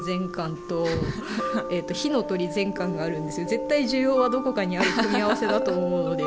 絶対需要はどこかにある組み合わせだと思うので。